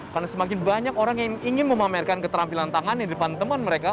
karena semakin banyak orang yang ingin memamerkan keterampilan tangan di depan teman mereka